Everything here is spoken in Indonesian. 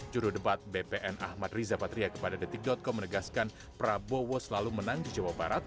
jurudebat bpn ahmad riza patria kepada detik com menegaskan prabowo selalu menang di jawa barat